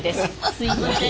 すいません。